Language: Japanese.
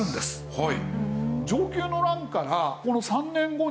はい。